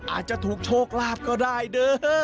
อาจจะถูกโชคลาภก็ได้เด้อ